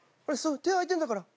手空いてるんだから。